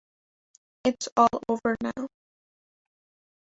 It’s all over now.